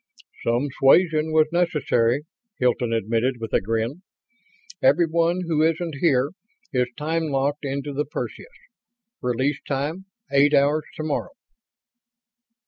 "Some suasion was necessary," Hilton admitted, with a grin. "Everyone who isn't here is time locked into the Perseus. Release time eight hours tomorrow."